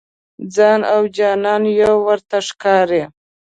ځان او جانان یو ورته ښکاري.